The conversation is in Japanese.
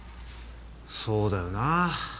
そうだよなあ